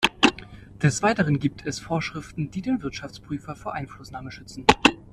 Des Weiteren gibt es Vorschriften, die den Wirtschaftsprüfer vor Einflussnahme schützen.